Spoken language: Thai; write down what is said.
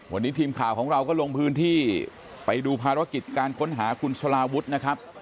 วันนี้ทีมข่าวของเราก็ลงพื้นที่ไปดูภารกิจการค้นหาคุณสลาวุฒินะครับ